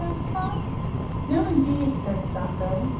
asked Trot. "No indeed," said Sacho.